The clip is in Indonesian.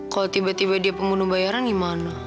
kalau tiba tiba dia pengguna bayaran gimana